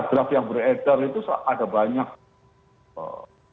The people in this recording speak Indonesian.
draft yang beredar itu ada banyak